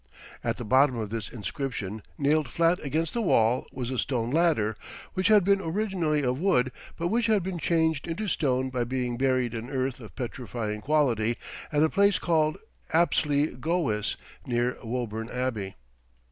At the bottom of this inscription, nailed flat against the wall, was a stone ladder, which had been originally of wood, but which had been changed into stone by being buried in earth of petrifying quality at a place called Apsley Gowis, near Woburn Abbey.